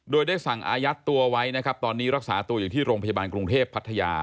โดยได้สั่งอายัดตัวไว้นะครับตอนนี้รักษาตัวอยู่ที่โรงพยาบาลกรุงเทพพัทยา